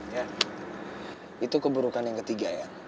yan itu keburukan yang ketiga yan